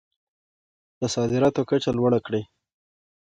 د صادراتو کچه لوړه کړئ.